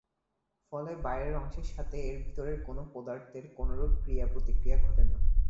ফলে বাইরের অংশের সাথে এর ভেতরের কোনো পদার্থের কোনোরূপ ক্রিয়া প্রতিক্রিয়া ঘটে না।